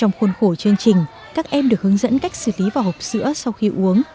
trong khuôn khổ chương trình các em được hướng dẫn cách xử lý vỏ hộp sữa sau khi uống